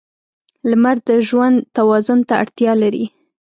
• لمر د ژوند توازن ته اړتیا لري.